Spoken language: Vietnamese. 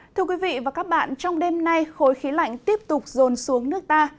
thưa quý vị và các bạn trong đêm nay khối khí lạnh tiếp tục rồn xuống nước ta